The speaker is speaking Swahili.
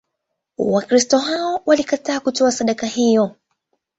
Wakristo hao walikataa kutoa sadaka hiyo.